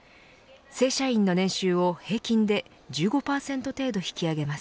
正社員の年収を平均で１５％程度引き上げます。